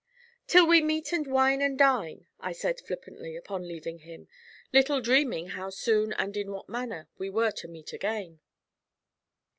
'Till we meet and wine and dine,' I said flippantly, upon leaving him, little dreaming how soon and in what manner we were to meet again.